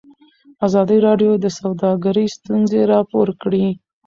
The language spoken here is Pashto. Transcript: ازادي راډیو د سوداګري ستونزې راپور کړي.